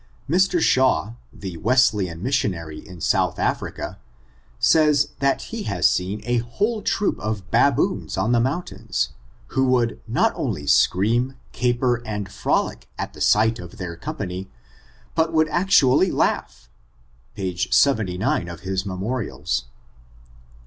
Mr. Shaw, the Wesleymn missionary in South Af rica, says, that he has seen a whole troop of baboons on the mountains, who would not only scream, caper, and frolic at sight of their company, but would actu ally laugh. — Page 79 of his Memorials.